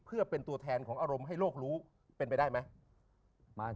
เพื่อเป็นตัวแทนของอารมณ์ให้โลกรู้เป็นไปได้ไหม